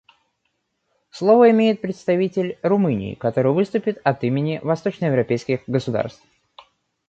Слово имеет представитель Румынии, который выступит от имени восточноевропейских государств.